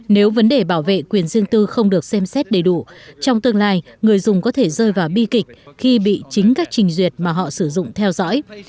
nếu vấn đề bảo vệ quyền dương tư không được xem xét đầy đủ trong tương lai người dùng có thể rơi vào bi kịch khi bị chính các trình duyệt mà họ sử dụng theo dõi